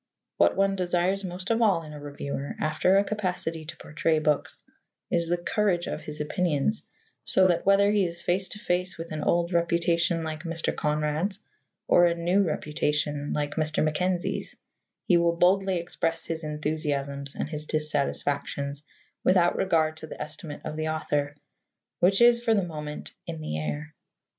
What one desires most of all in a reviewer, after a capacity to portray books, is the courage of his opinions, so that, whether he is face to face with an old reputation like Mr. Conrad's or a new reputation like Mr. Mackenzie's, he will boldly express his enthusiasms and his dissatisfactions without regard to the estimate of the author, which is, for the moment, "in the air."